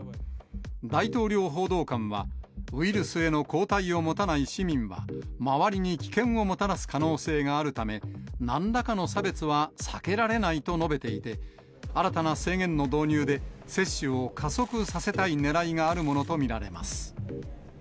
大統領報道官は、ウイルスへの抗体を持たない市民は、周りに危険をもたらす可能性があるため、なんらかの差別は避けられないと述べていて、新たな制限の導入で、接種を加速させたいねらいがあるものと見られます。